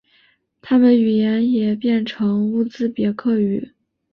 他们语言也变成乌兹别克语。